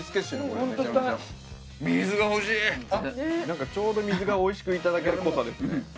なんかちょうど水がおいしくいただける濃さですね。